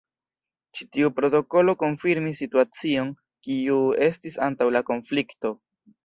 Ĉi tiu protokolo konfirmis situacion kiu estis antaŭ la konflikto.